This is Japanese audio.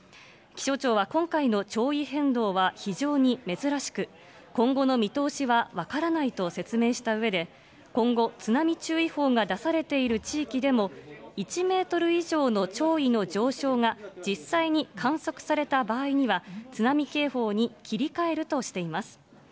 気象庁は今回の潮位変動は非常に珍しく、今後の見通しは分からないと説明したうえで、今後、津波注意報が出されている地域でも、１メートル以上の潮位の上昇が、実際に観測された場合には、津波警報に切り替えるとしています。